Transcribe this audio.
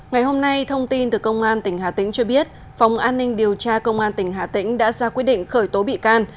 ngày hôm nay thông tin từ công an tỉnh hà tĩnh cho biết phòng an ninh điều tra công an tỉnh hà tĩnh đã ra quyết định khởi tố bị can